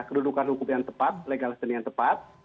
kedudukan hukum yang tepat legalisasi yang tepat